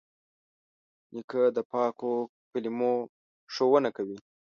نیکه د پاکو کلمو ښوونه کوي.